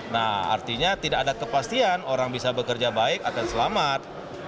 nah artinya tidak ada kepastian orang bisa bekerja baik akan selamat